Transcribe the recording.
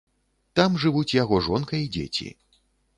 Там жывуць яго жонка і дзеці.